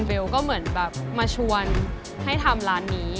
เบลก็เหมือนแบบมาชวนให้ทำร้านนี้